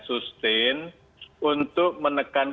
sustain untuk menekan